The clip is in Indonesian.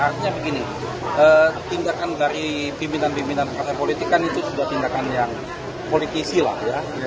artinya begini tindakan dari pimpinan pimpinan partai politik kan itu sebuah tindakan yang politisi lah ya